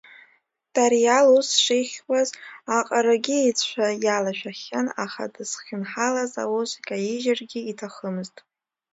Тариал ус шихьуаз аҟарагьы ицәа иалашәахьан, аха дызхьынҳалаз аус каижьыргьы иҭахымызт.